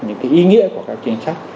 những cái ý nghĩa của các chính sách